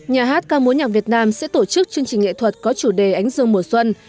nhà hát ca mối nhạc việt nam sẽ tổ chức chương trình nghệ thuật có chủ đề ánh dương mùa xuân